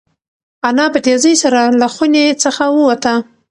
انا په تېزۍ سره له خونې څخه ووته.